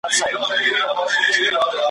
په سرونو کي يې شوردی ,